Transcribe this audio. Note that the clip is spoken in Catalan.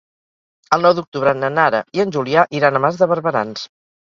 El nou d'octubre na Nara i en Julià iran a Mas de Barberans.